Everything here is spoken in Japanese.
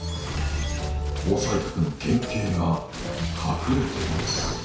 紅彩閣の原型が隠れています。